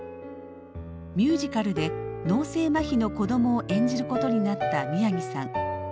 ミュージカルで脳性まひの子どもを演じることになった宮城さん。